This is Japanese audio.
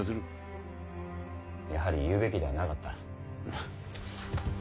やはり言うべきではなかった。